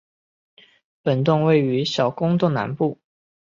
本洞位于小公洞南部。